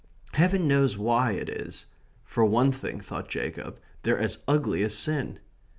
Heaven knows why it is. For one thing, thought Jacob, they're as ugly as sin.